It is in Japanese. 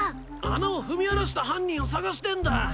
穴を踏み荒らした犯人を捜してんだ。